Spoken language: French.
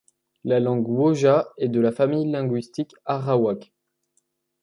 La langue wauja est de la famille linguistique arawak.